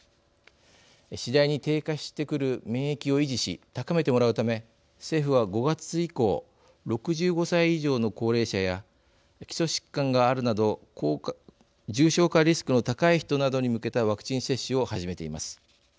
次第に低下してくる免疫を維持し高めてもらうため政府は５月以降６５歳以上の高齢者や基礎疾患があるなど重症化リスクの高い人などに向けたワクチン接種を始めています。